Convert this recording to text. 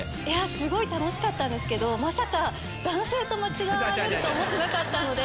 すごい楽しかったですけど男性と間違われると思ってなかったので。